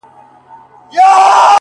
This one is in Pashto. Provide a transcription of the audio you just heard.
څه لېونۍ شاني گناه مي په سجده کي وکړه؛